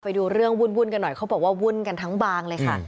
ไปดูเรื่องวุ่นกันหน่อยเขาบอกว่าวุ่นกันทั้งบางเลยค่ะ